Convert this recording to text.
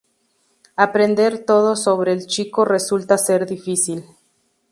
Aprender todo sobre el chico resulta ser difícil.